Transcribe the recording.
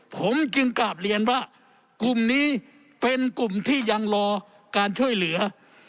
ผมจึงกลับเรียนว่ากลุ่มนี้เป็นกลุ่มที่ยังรอการช่วยเหลือ